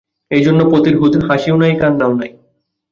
এইজন্য পথের হাসিও নাই, কান্নাও নাই।